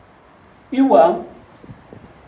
Iwa?